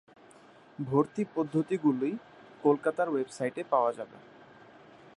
ভর্তি পদ্ধতিগুলি কলকাতার ওয়েবসাইটে পাওয়া যাবে।